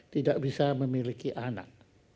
tidak bisa memiliki anak